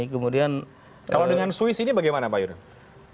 kalau dengan swiss ini bagaimana pak yunus